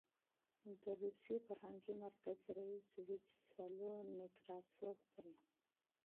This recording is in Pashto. د روسي فرهنګي مرکز رییس ویچسلو نکراسوف دی.